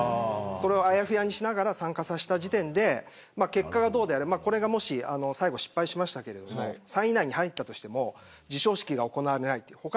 それをあやふやにしながら参加させた時点で結果がどうであれ、これが、もし最後、失敗しましたけど３位以内に入ったとしても授賞式が行われないという。